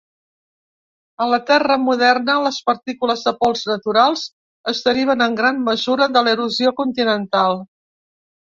A la terra moderna, les partícules de pols naturals es deriven en gran mesura de l'erosió continental.